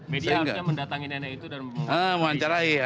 media akhirnya mendatangi nenek itu dan memuancarai